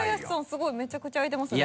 すごいめちゃくちゃ開いてますね。